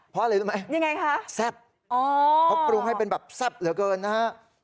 เพราะอะไรรู้ไหมแซ่บเขาปรุงให้แบบแซ่บเหลือเกินนะครับยังไงคะ